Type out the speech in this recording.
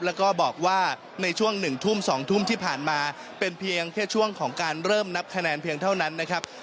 แล้วก็บอกว่าในช่วง๑ทุ่ม๒ทุ่มที่ผ่านมาเป็นเพียงแค่ช่วงของการเริ่มนับคะแนนเพียงเท่านั้นนะครับ